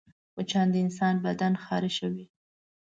مچان د انسان بدن خارشوي